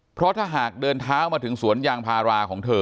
เพราะถ้าหากเดินเท้ามาถึงสวนยางพาราของเธอ